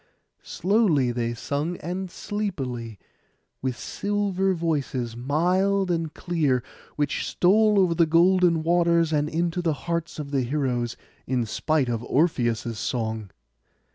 Slowly they sung and sleepily, with silver voices, mild and clear, which stole over the golden waters, and into the hearts of all the heroes, in spite of Orpheus' song.